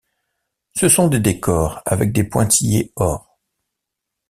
Ce sont des décors avec des pointillés or.